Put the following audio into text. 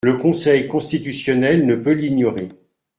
Le Conseil constitutionnel ne peut l’ignorer.